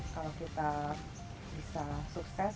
kalau kita bisa sukses